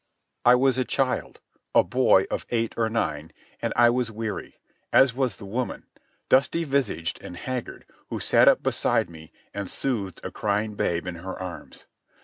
I was a child, a boy of eight or nine, and I was weary, as was the woman, dusty visaged and haggard, who sat up beside me and soothed a crying babe in her arms.